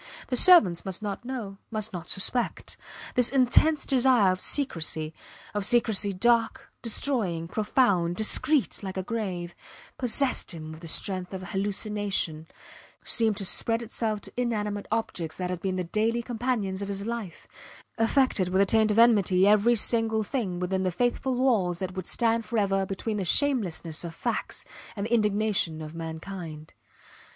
The servants must not know must not suspect. This intense desire of secrecy; of secrecy dark, destroying, profound, discreet like a grave, possessed him with the strength of a hallucination seemed to spread itself to inanimate objects that had been the daily companions of his life, affected with a taint of enmity every single thing within the faithful walls that would stand forever between the shamelessness of facts and the indignation of mankind.